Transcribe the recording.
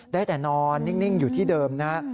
ได้แต่นอนนิ่งอยู่ที่เดิมนะฮะ